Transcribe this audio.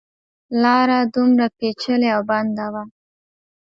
لاره دومره پېچلې او بنده وه.